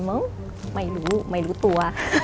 มึงไม่รู้ไม่รู้ตัว